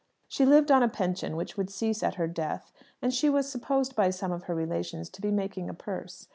She lived on a pension which would cease at her death, and she was supposed by some of her relations to be making a purse.